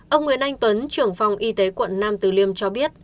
ông nguyễn anh tuấn trưởng phòng y tế quận nam từ liêm cho biết